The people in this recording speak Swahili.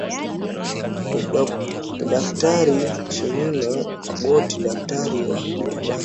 ni Daktari Chinuno Magoti daktari wa binadamu